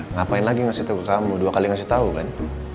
ngapain lagi ngasih tahu ke kamu dua kali ngasih tau kan